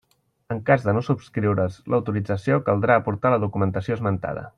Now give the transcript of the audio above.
En cas de no subscriure's l'autorització, caldrà aportar la documentació esmentada.